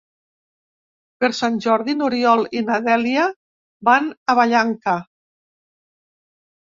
Per Sant Jordi n'Oriol i na Dèlia van a Vallanca.